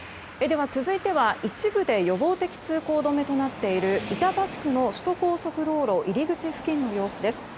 では続いては一部で予防的通行止めとなっている板橋区の首都高速道路入り口付近の様子です。